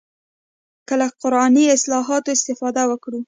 که له قراني اصطلاحاتو استفاده وکړو.